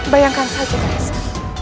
bayangkan saja mahesa